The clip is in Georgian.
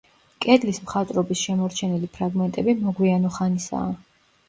კედლის მხატვრობის შემორჩენილი ფრაგმენტები მოგვიანო ხანისაა.